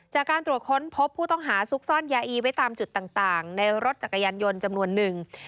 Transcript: จากการตรวจค้นพบผู้ต้องหาซุกซ่อนยาอีไว้ตามจุดต่างในรถจักรยานยนต์จำนวนนึง